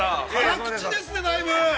◆辛口ですね、だいぶ。